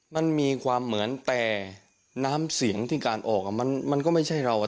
มันมีความเหมือนแต่น้ำเสียงที่การออกมันก็ไม่ใช่เรา